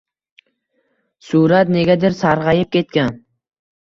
Surat negadir sarg‘ayib ketgan.